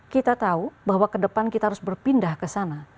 kita tahu bahwa ke depan kita harus berpindah ke sana